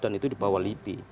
dan itu di bawah libi